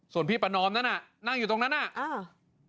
ส่วนพี่ประนอมนั้นน่ะนั่งอยู่ตรงนั้นอ่ะอ่า